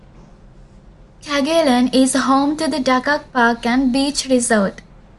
Taguilon is home to the Dakak Park and Beach Resort.